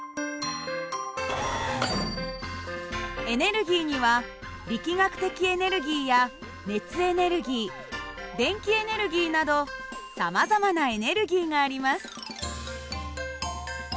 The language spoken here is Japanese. エネルギーには力学的エネルギーや熱エネルギー電気エネルギーなどさまざまなエネルギーがあります。